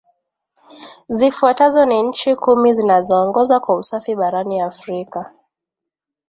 Zifuatazo ni nchi Kumi zinazoongoza kwa usafi barani Afrika